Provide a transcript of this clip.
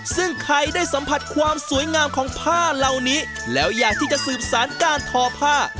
ซึ่งใครได้สัมผัสความสวยงามของผ้าเหล่านี้แล้วอยากที่จะสืบสารการทอผ้า